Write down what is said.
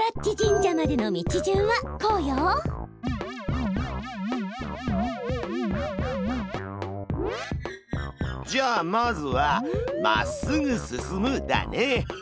じゃあまずは「まっすぐすすむ」だね！